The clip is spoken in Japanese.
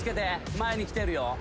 前に来てるよ。